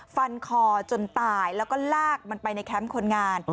ฟันคอจนตายแล้วก็ลากมันไปในแคมป์คนงาน